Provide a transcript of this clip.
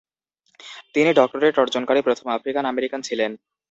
তিনি ডক্টরেট অর্জনকারী প্রথম আফ্রিকান আমেরিকান ছিলেন।